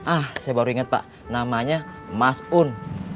ah saya baru ingat pak namanya mas un